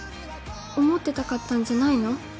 思ってたかったんじゃないの？